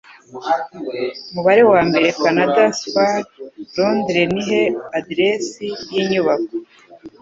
Umubare wa mbere, Kanada Square, Londres Nihe Aderesi Yinyubako?